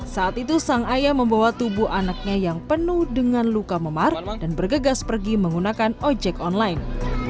saat itu sang ayah membawa tubuh anaknya yang penuh dengan luka memar dan bergegas pergi menggunakan ojek online